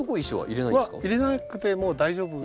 入れなくても大丈夫。